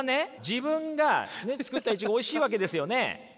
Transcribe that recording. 自分が作ったイチゴおいしいわけですよね。